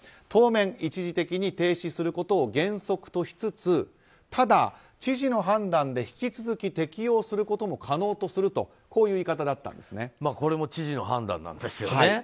当面、一時的に停止することを原則としつつただ、知事の判断で引き続き適用することも可能とするというこれも知事の判断なんですよね。